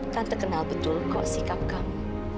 tante kenal betul kok sikap kamu